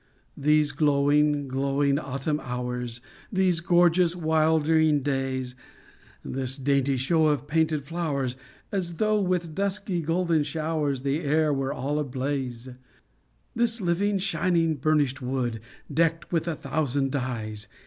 These glowing, glowing autumn hours, These gorgeous, wilder ing days ! This dainty show of painted flowers, As though with dusky golden showers The air were all ablaze ! This living, shining, burnished wood, — Decked with a thousand dyes